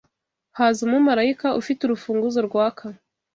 Haza umumarayika, ufite urufunguzo rwaka